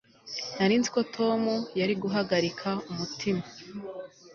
nari nzi ko tom yari guhagarika umutima